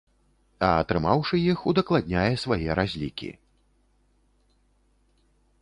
А атрымаўшы іх, удакладняе свае разлікі.